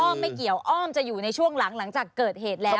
ไม่เกี่ยวอ้อมจะอยู่ในช่วงหลังหลังจากเกิดเหตุแล้ว